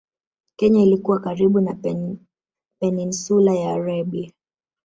Kenya ilikuwa karibu na Peninsula ya Arabia